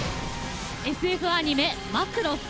ＳＦアニメ「マクロス」。